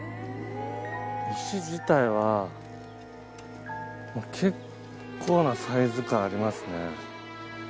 石自体は結構なサイズ感ありますね。